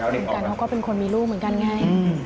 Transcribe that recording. คุณกันเขาก็เป็นคนมีลูกเหมือนกันไง